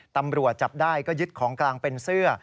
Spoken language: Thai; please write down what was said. ตำรวจจับได้ก็ยึดของกลางเป็นเสื้อ